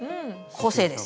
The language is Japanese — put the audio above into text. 個性です。